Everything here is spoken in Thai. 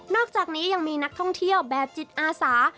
อกจากนี้ยังมีนักท่องเที่ยวแบบจิตอาสา